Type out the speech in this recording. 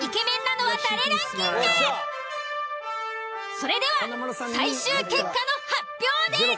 それでは最終結果の発表です。